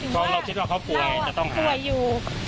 เราไม่คิดถึงตรงนั้นเราคิดถึงว่าเขาป่วยจะต้องหายป่วยอยู่